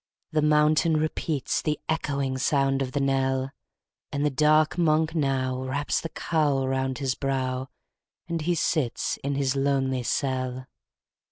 The mountain repeats The echoing sound of the knell; And the dark Monk now Wraps the cowl round his brow, _5 As he sits in his lonely cell.